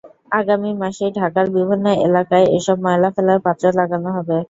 আগামী মাসেই ঢাকার বিভিন্ন এলাকায় এসব ময়লা ফেলার পাত্র লাগানো হবে।